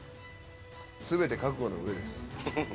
全て覚悟の上です。